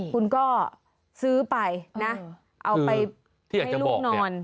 คุณก็ซื้อไปนะเอาไปให้ลูกนอน